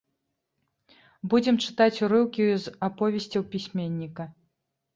Будзем чытаць урыўкі з аповесцяў пісьменніка.